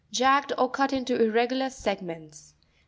—Jagged, or cut into ir. regular segments.